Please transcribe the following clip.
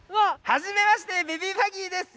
はじめましてベビー・ヴァギーです。